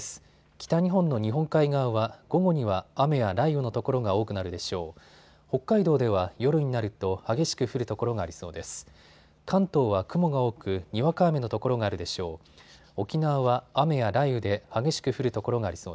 北日本の日本海側は午後には雨や雷雨の所が多くなるでしょう。